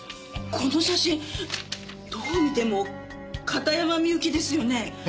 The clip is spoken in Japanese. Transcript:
この写真どう見ても片山みゆきですよね。